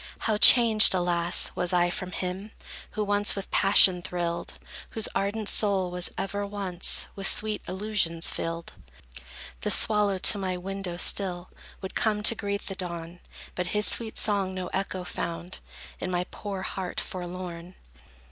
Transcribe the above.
How changed, alas, was I from him Who once with passion thrilled, Whose ardent soul was ever, once, With sweet illusions filled! The swallow to my window, still, Would come, to greet the dawn; But his sweet song no echo found In my poor heart, forlorn.